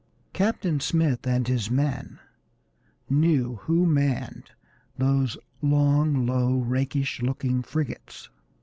Captain Smith and his men knew who manned those long, low, rakish looking frigates.